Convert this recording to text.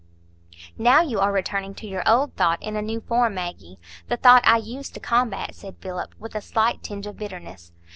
"Now you are returning to your old thought in a new form, Maggie,—the thought I used to combat," said Philip, with a slight tinge of bitterness.